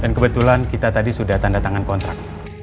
dan kebetulan kita tadi sudah tanda tangan kontrak